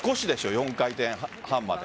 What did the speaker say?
４回転半まで。